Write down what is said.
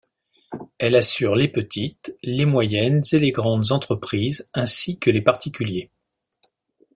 Elle assure les petites, les moyennes et les grandes entreprises ainsi que les particuliers.